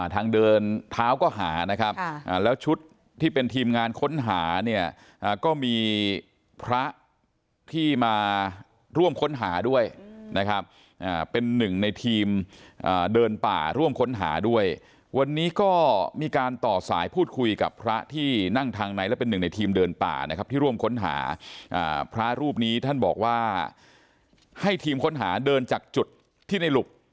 ทางเดินเท้าก็หานะครับแล้วชุดที่เป็นทีมงานค้นหาเนี่ยก็มีพระที่มาร่วมค้นหาด้วยนะครับเป็นหนึ่งในทีมเดินป่าร่วมค้นหาด้วยวันนี้ก็มีการต่อสายพูดคุยกับพระที่นั่งทางในและเป็นหนึ่งในทีมเดินป่านะครับที่ร่วมค้นหาพระรูปนี้ท่านบอกว่าให้ทีมค้นหาเดินจากจุดที่ในหลุบ